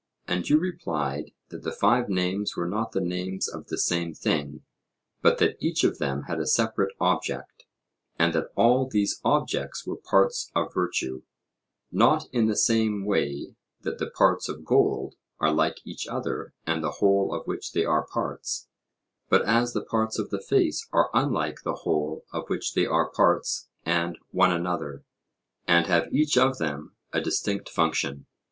And you replied that the five names were not the names of the same thing, but that each of them had a separate object, and that all these objects were parts of virtue, not in the same way that the parts of gold are like each other and the whole of which they are parts, but as the parts of the face are unlike the whole of which they are parts and one another, and have each of them a distinct function.